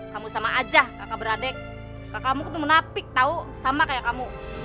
kamu sama aja kakak beradek kakakmu ketemu napik tau sama kayak kamu